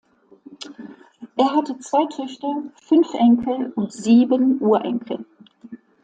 Er hatte zwei Töchter, fünf Enkel und sieben Urenkel.